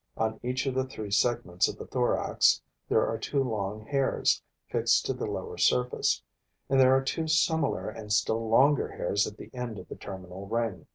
On each of the three segments of the thorax there are two long hairs, fixed to the lower surface; and there are two similar and still longer hairs at the end of the terminal ring.